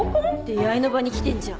出会いの場に来てんじゃん。